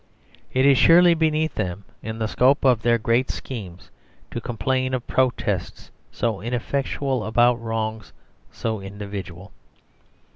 It is surely beneath them, in the scope of their great schemes, to complain of protests so ineffectual about wrongs so individual.